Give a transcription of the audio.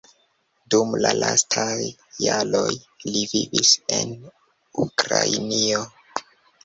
Dum la lastaj jaroj li vivis en Ukrainio.